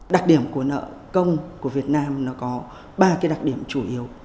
đặc điểm của nợ công của việt nam nó có ba cái đặc điểm chủ yếu